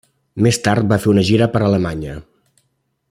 Més tard va fer una gira per Alemanya.